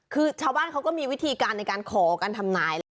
คือชาวบ้านเขาก็มีวิธีการในการขอการทำนายแหละ